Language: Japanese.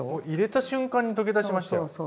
入れた瞬間に溶け出しましたよ。